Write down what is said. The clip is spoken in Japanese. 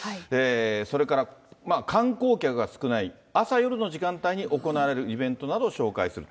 それから観光客が少ない朝夜の時間帯に行われるイベントなどを紹介すると。